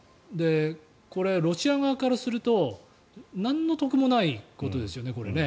これ、ロシア側からするとなんの得もないことですよね。